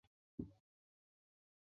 南朝宋的九卿制度沿袭晋制。